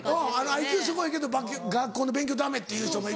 ＩＱすごいけど学校の勉強ダメっていう人もいるし。